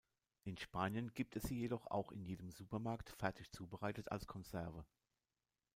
In Spanien gibt es sie jedoch auch in jedem Supermarkt fertig zubereitet als Konserve.